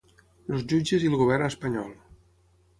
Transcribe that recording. Els jutges i el govern espanyol.